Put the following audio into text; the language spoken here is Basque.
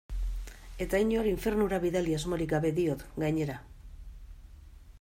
Eta inor infernura bidali asmorik gabe diot, gainera.